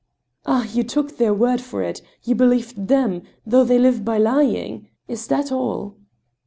"Ah! you took their word for it — you believed them — ^though they live by lying. Is that all